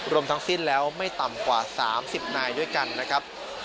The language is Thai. รวมทั้งสิ้นแล้วไม่ต่ำกว่า๓๐นายด้วยกันนะครับ